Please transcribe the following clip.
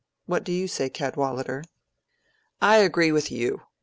What do you say, Cadwallader?" "I agree with you.